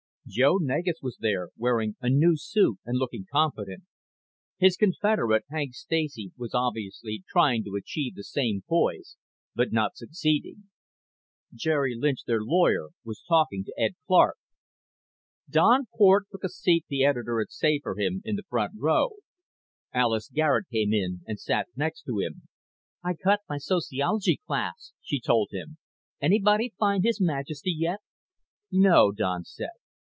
Joe Negus was there, wearing a new suit and looking confident. His confederate, Hank Stacy, was obviously trying to achieve the same poise but not succeeding. Jerry Lynch, their lawyer, was talking to Ed Clark. Don Cort took a seat the editor had saved for him in the front row. Alis Garet came in and sat next to him. "I cut my sociology class," she told him. "Anybody find His Majesty yet?" "No," Don said.